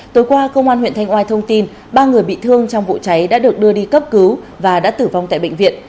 tối qua công an huyện thanh oai thông tin ba người bị thương trong vụ cháy đã được đưa đi cấp cứu và đã tử vong tại bệnh viện